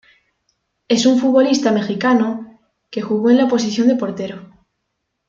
Es un futbolista mexicano que jugó en la posición de portero.